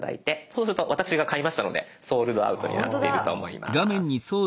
そうすると私が買いましたのでソールドアウトになっていると思います。